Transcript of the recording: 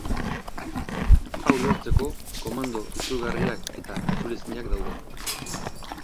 Hau lortzeko komando itzulgarriak eta itzulezinak daude.